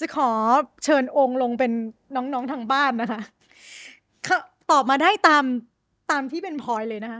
จะขอเชิญองค์ลงเป็นน้องน้องทางบ้านนะคะตอบมาได้ตามตามที่เป็นพลอยเลยนะคะ